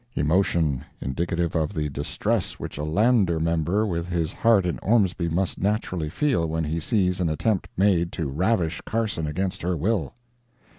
[Emotion, indicative of the distress which a Lander member with his heart in Ormsby must naturally feel when he sees an attempt made to ravish Carson against her will.